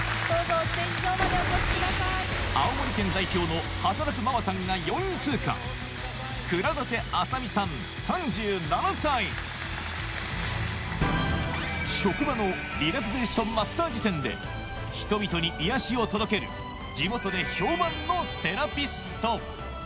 青森県代表の働くママさんが４位通過職場のリラクゼーションマッサージ店で人々に癒やしを届ける地元で評判のセラピスト